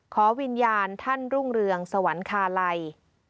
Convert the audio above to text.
ขอวิญญาณท่านรุ่งเรืองสวรรคาลัย